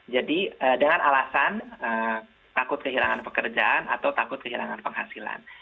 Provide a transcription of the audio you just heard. jadi dengan alasan takut kehilangan pekerjaan atau takut kehilangan penghasilan